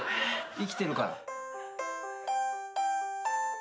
生きてるから。